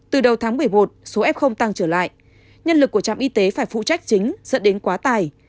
từ đầu tháng một mươi một số f tăng trở lại nhân lực của trạm y tế phải phụ trách chính dẫn đến quá tài